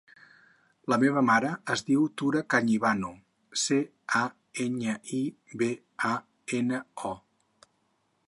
La meva mare es diu Tura Cañibano: ce, a, enya, i, be, a, ena, o.